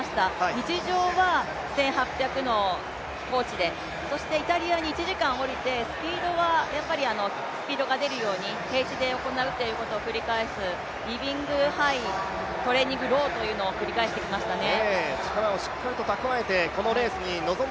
日常は１８００の高地で、そしてイタリアに１時間下りてスピードが出るように平地で行うことを繰り返す、リビングハイ・トレーニングローというのを繰り返してきましたね。